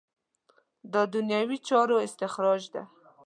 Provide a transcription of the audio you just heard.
دا دنیوي چارو استخراج ده.